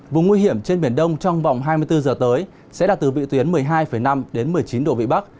vùng nguy hiểm trên biển đông trong vòng hai mươi bốn giờ tới sẽ đạt từ vị tuyến một mươi hai năm đến một mươi chín độ vị bắc